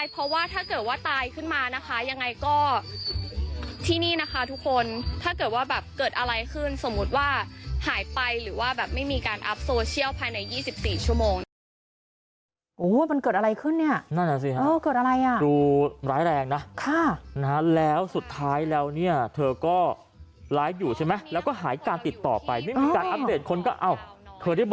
ไปดูคลิปนั้นเลยครับ